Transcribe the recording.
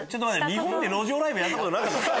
日本で路上ライブやったことなかったんですか？